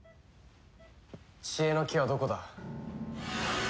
知恵の樹はどこだ？